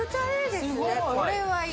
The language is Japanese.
これはいい。